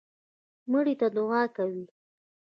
مړي ته دعا کوئ